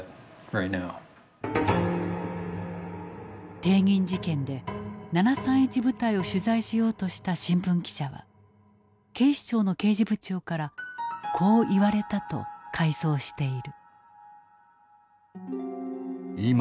帝銀事件で７３１部隊を取材しようとした新聞記者は警視庁の刑事部長からこう言われたと回想している。